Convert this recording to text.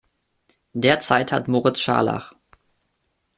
Derzeit hat Moritz Scharlach.